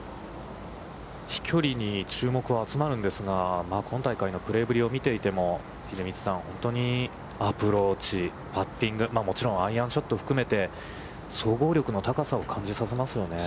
飛距離に注目が集まるんですが、今大会のプレーぶりを見ていても、秀道さん、本当にアプローチ、パッティング、もちろんアイアンショットを含めて、総合力の高さを感じさせますよね。